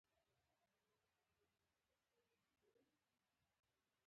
د علامه رشاد لیکنی هنر مهم دی ځکه چې ابن خلدون اغېز پکې دی.